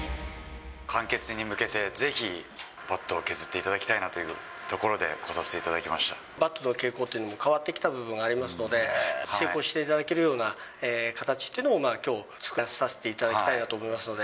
完結に向けて、ぜひ、バットを削っていただきたいなというところで、来させていただきバットの傾向というのも変わってきたところがありますので、成功していただけるような形というのを、きょう作らさせていただきたいと思いますので。